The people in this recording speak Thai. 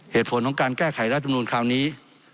เหตุผลของการแก้ไขรัฐมนูลคราวนี้